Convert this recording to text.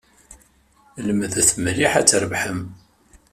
Lemdet mliḥ ad trebḥem.